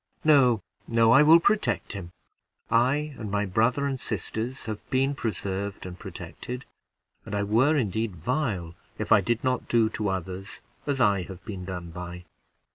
No, no, I will protect him. I and my brother and sisters have been preserved and protected, and I were indeed vile if I did not do to others as I have been done by.